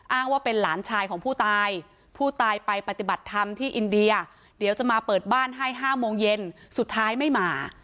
อ้างว่าเป็นหลานชายของผู้ตายผู้ตายไปปฏิบัติธรรมที่อินเดียเดี๋ยวจะมาเปิดบ้านให้๕โมงเย็นสุดท้ายไม่มา